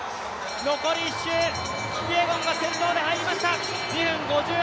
残り１周、キピエゴンが先頭で入りました。